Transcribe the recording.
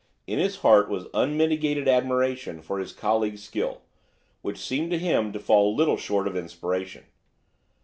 In his heart was unmitigated admiration for his colleague's skill, which seemed to him to fall little short of inspiration.